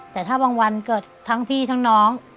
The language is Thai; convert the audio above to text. แต่ถ้าบางวันเกิดทั้งพี่ทั้งน้อง